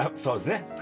そうですね。